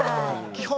基本